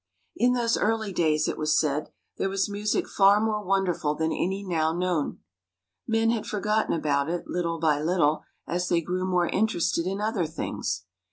In those early days, it was said, there was music far more wonderful than any now known. Men had for gotten about it, little by little, as they grew more interested in other things.